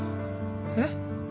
えっ？